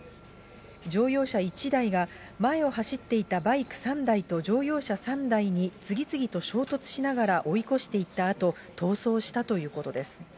乗用車１台が、前を走っていたバイク３台と乗用車３台に次々と衝突しながら追い越していったあと、逃走したということです。